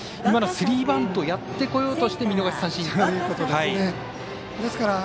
スリーバントやってこようとして見逃し三振ということですね。